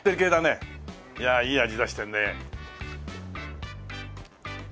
いやいい味出してるね。